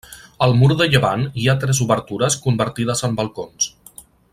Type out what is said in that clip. Al mur de llevant hi ha tres obertures convertides en balcons.